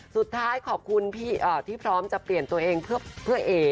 สุดท้ายขอบคุณพี่ที่พร้อมจะเปลี่ยนตัวเองเพื่อเอ